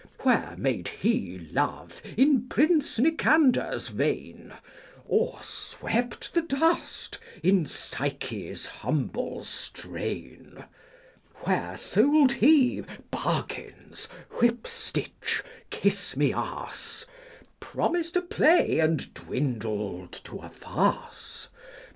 Where made he love in prince Nicander's l vein, Or swept the dust in Psyche's humble strain 1 iso Where sold he bargains, whip stitch, kiss my a — e, Promised a play, and dwindled to a farce